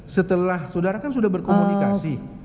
setelah saudara kan sudah berkomunikasi